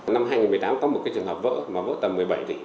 năm hai nghìn một mươi tám có một cái trường hợp vỡ mà vỡ tầm một mươi bảy tỷ